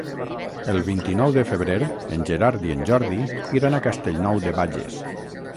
El vint-i-nou de febrer en Gerard i en Jordi iran a Castellnou de Bages.